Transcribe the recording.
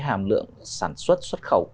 hàm lượng sản xuất xuất khẩu